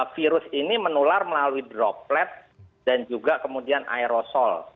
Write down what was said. virus ini menular melalui droplet dan juga kemudian aerosol